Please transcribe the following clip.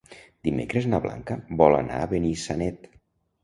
Dimecres na Blanca vol anar a Benissanet.